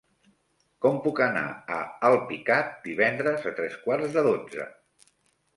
Com puc anar a Alpicat divendres a tres quarts de dotze?